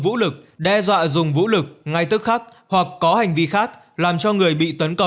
vũ lực đe dọa dùng vũ lực ngay tức khắc hoặc có hành vi khác làm cho người ta bị phạt tù từ hai năm đến bảy năm